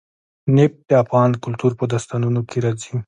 نفت د افغان کلتور په داستانونو کې راځي.